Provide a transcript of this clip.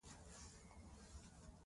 د خوراکي توکو ډول هم ټاکل شوی و.